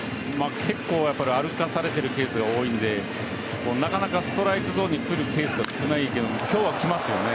結構、歩かされてるケースが多いのでなかなかストライクゾーンにくるケースが少ないというのも今日はきますよね。